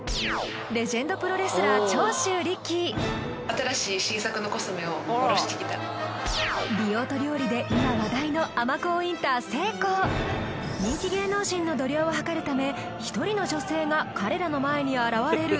レジェンドプロレスラー新しい美容と料理で今話題の人気芸能人の度量をはかるため１人の女性が彼らの前に現れる